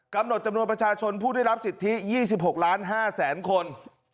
จำนวนประชาชนผู้ได้รับสิทธิ๒๖ล้าน๕แสนคน